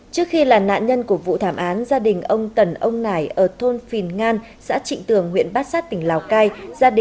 trước khi là nạn nhân của vụ thảm án gia đình ông tần ông nải ở thôn phìn ngan xã trịnh tường huyện bát sát tỉnh lào cai